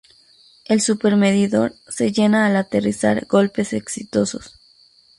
El súper medidor se llena al aterrizar golpes exitosos.